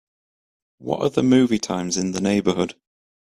What are the movie times in the neighbourhood